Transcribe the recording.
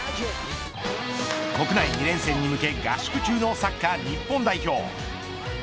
国内２連戦に向け合宿中のサッカー日本代表。